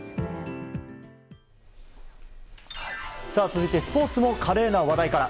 続いてスポーツも華麗な話題から。